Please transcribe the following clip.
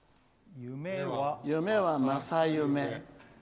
夢は正夢。